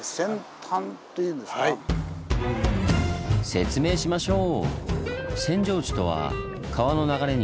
説明しましょう！